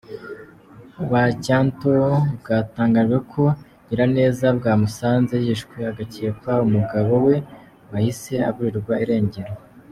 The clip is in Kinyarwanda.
wa Cyato bwatangaje ko Nyiraneza bwamusanze yishwe, hagakekwa umugabo we wahise aburirwa irengero.